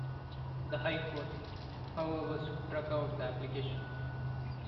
The High Court, however, struck out the application.